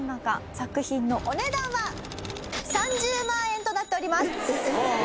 作品のお値段は３０万円となっております。